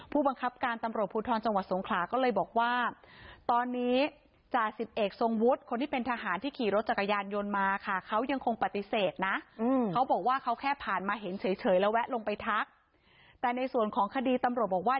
ผู้บังคับการตำรวจพุทธรจังหวัดสงขลาก็เลยบอกว่าตอนนี้จสิบเอกทรงพุธคนที่เป็นทหารที่ขี่รถจักรยานยนต์มาค่ะเขายังคงปฏิเสธนะ